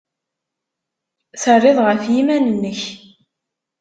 Terrid ɣef yiman-nnek.